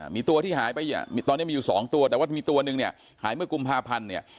มีตัวที่หายไปเนี่ยตอนนี้มีอยู่๒ตัวแต่ว่ามีตัวหนึ่งเนี่ยหายเมื่อกุมภาพันธ์เนี่ย